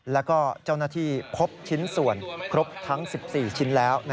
แล้วก็เจ้าหน้าที่พบชิ้นส่วนครบทั้ง๑๔ชิ้นแล้ว